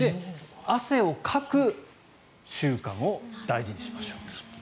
汗をかく習慣を大事にしましょう。